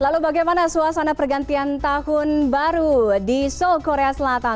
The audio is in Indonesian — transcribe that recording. lalu bagaimana suasana pergantian tahun baru di seoul korea selatan